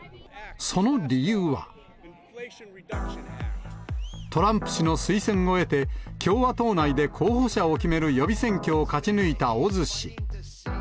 その理由は。とらーしのすいせんをえて共和党内で候補者を決める予備選挙を勝ち抜いたオズ氏。